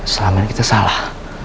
selama ini kita salah